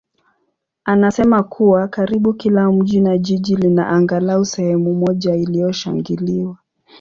anasema kuwa karibu kila mji na jiji lina angalau sehemu moja iliyoshangiliwa.